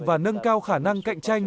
và nâng cao khả năng cạnh tranh